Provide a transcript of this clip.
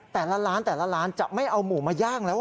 แต่ละล้านจะไม่เอามูมาย่างแล้ว